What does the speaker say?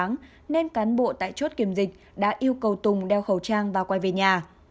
nên cán bộ tại chốt kiểm dịch đã yêu cầu tùng đeo khẩu trang và quay về nhà